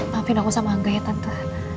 maafin aku sama angga ya tante